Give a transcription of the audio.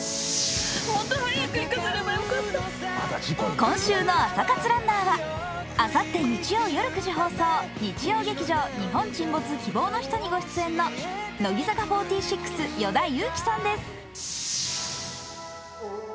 今週の朝活ランナーはあさって日曜夜９時放送日曜劇場「日本沈没−希望のひと−」に出演中の乃木坂４６・与田祐希さんです。